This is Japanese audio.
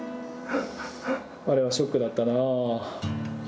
あれはショックだったなあ。